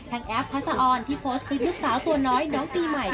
แอฟทัศออนที่โพสต์คลิปลูกสาวตัวน้อยน้องปีใหม่